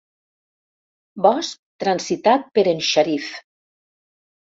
Bosc transitat per en Shariff.